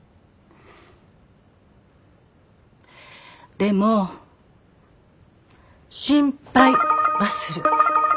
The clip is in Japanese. でも心配はする。